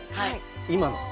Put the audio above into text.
今の。